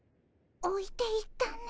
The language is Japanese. おいていったね。